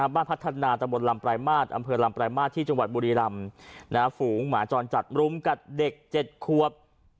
พัฒนาตะบนลำปลายมาตรอำเภอลำปลายมาสที่จังหวัดบุรีรำฝูงหมาจรจัดรุมกัดเด็ก๗ควบ